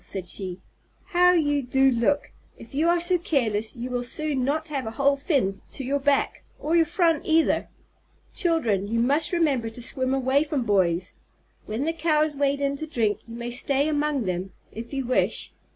said she. "How you do look! If you are so careless, you will soon not have a whole fin to your back or your front either. Children, you must remember to swim away from boys. When the Cows wade in to drink, you may stay among them, if you wish.